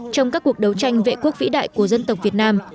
trong các cuộc đấu tranh vệ quốc vĩ đại của dân tộc việt nam